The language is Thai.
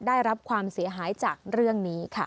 ได้รับความเสียหายจากเรื่องนี้ค่ะ